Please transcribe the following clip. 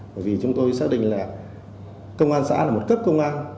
bởi vì chúng tôi xác định là công an xã là một cấp công an